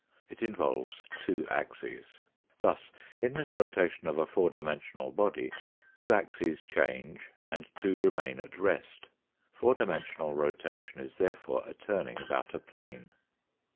It involves two axes. Thus, in this rotation of a four dimensional body, two axes change and two remain at rest. Four dimensional rotation is therefore a turning about a plane.